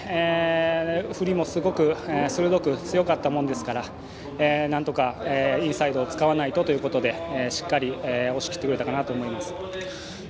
振りもすごく鋭く強かったものですからなんとかインサイドを使わないとということでしっかり押し切ってくれたかなと思います。